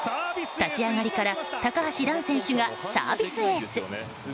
立ち上がりから高橋藍選手がサービスエース。